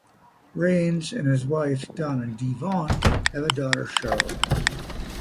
Raines and his wife Dona D. Vaughn have a daughter, Charlotte.